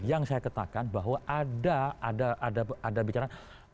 yang saya katakan bahwa ada ada ada ada bicara